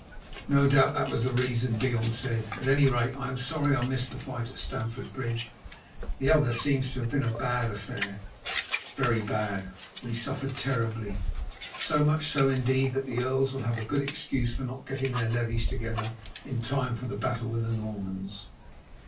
"No doubt that was the reason," Beorn said. "At any rate, I am sorry I missed the fight at Stamford Bridge. The other seems to have been a bad affair." "Very bad; we suffered terribly. So much so, indeed, that the earls will have a good excuse for not getting their levies together in time for the battle with the Normans."